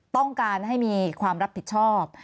ต้องการให้มีความรับผิดชอบ